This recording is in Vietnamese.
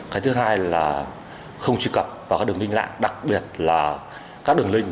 cái thứ hai là không truy cập vào các đường linh lạc đặc biệt là các đường linh